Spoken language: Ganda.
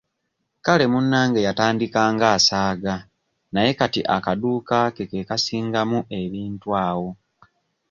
Kale munnange yatandika ng'asaaga naye kati akaduuka ke ke kasingamu ebintu awo.